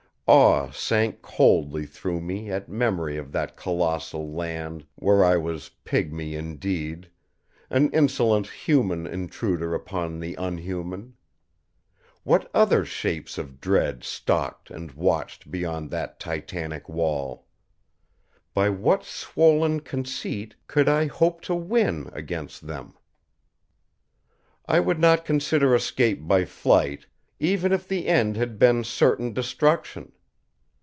Awe sank coldly through me at memory of that colossal land where I was pygmy indeed, an insolent human intruder upon the unhuman. What other shapes of dread stalked and watched beyond that titanic wall? By what swollen conceit could I hope to win against Them? I would not consider escape by flight, even if the end had been certain destruction.